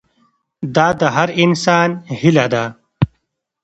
دا د هر انسان هیله ده.